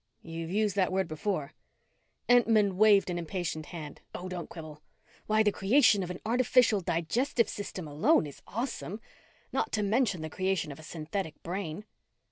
You've used that word before." Entman waved an impatient hand. "Oh, don't quibble! Why, the creation of an artificial digestive system alone is awesome not to mention the creation of a synthetic brain."